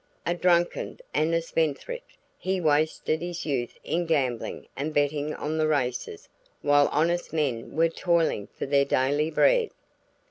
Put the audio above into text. A drunkard and a spendthrift, he wasted his youth in gambling and betting on the races while honest men were toiling for their daily bread.